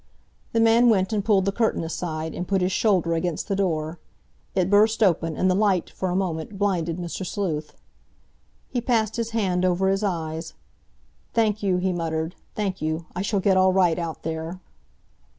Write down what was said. The man went and pulled the curtain aside, and put his shoulder against the door. It burst open, and the light, for a moment, blinded Mr. Sleuth. He passed his hand over his eyes. "Thank you," he muttered, "thank you. I shall get all right out there."